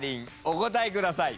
お答えください。